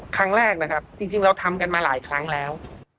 ครั้งแรกนะครับจริงเราทำกันมาหลายครั้งแล้ว